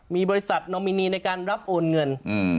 มีบริษัทนอมินีในการรับโอนเงิน